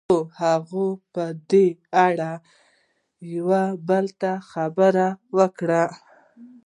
خو هغه په دې اړه يوه بله خبره وکړه.